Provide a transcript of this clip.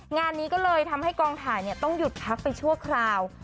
งานนี้ก็เลยทำให้กองถ่ายต้องหยุดพักไปชั่วคราว